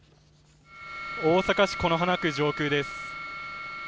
大阪市此花区上空です。